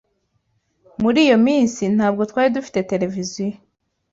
Muri iyo minsi ntabwo twari dufite televiziyo.